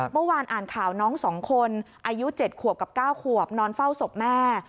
เมื่อวานอ่านข่าวน้อง๒คนอายุ๗ขวบกับ๙ขวบนอนเฝ้าศพแม่